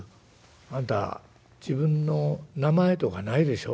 「あんた自分の名前とかないでしょ？」。